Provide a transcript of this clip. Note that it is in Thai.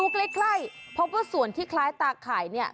ใกล้พบว่าส่วนที่คล้ายตาข่ายเนี่ย